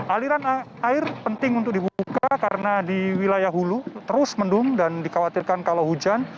aliran air penting untuk dibuka karena di wilayah hulu terus mendung dan dikhawatirkan kalau hujan